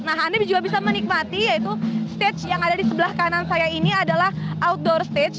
nah anda juga bisa menikmati yaitu stage yang ada di sebelah kanan saya ini adalah outdoor stage